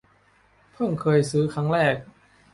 เพิ่งเคยซื้อครั้งแรก